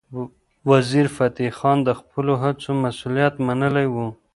وزیرفتح خان د خپلو هڅو مسؤلیت منلی و.